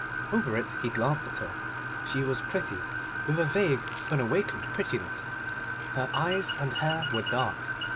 Over it he glanced at her. She was pretty with a vague unawakened prettiness. Her eyes and hair were dark.